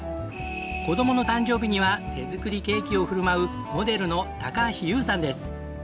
子どもの誕生日には手作りケーキを振る舞うモデルの高橋ユウさんです。